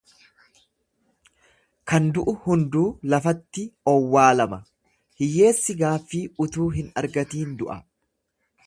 Kan du'u hunduu lafatti owwaalama, hiyyeessi gaaffii utuu hin argatiin du'a.